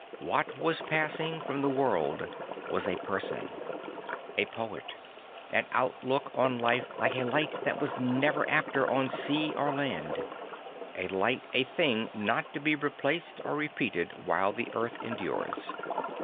What was passing from the world was a person; a poet; an outlook on life like a light that was never after on sea or land; a thing not to be replaced or repea ted while the earth endures.